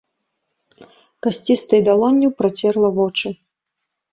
Касцістай далонню працерла вочы.